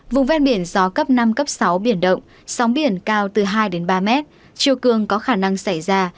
vùng ven biển gió cấp năm sáu biển động sóng biển cao từ hai ba m chiêu cương có khả năng xảy ra